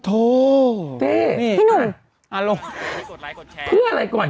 แต่หนูจะเอากับน้องเขามาแต่ว่า